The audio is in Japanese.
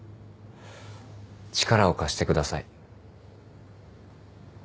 力を貸してください。